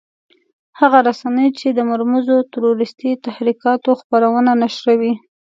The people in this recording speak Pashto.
هغه رسنۍ چې د مرموزو تروريستي تحرکاتو خبرونه نشروي.